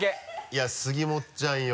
いや杉本ちゃんよ。